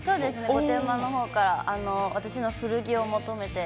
御殿場のほうから私の古着を求めて。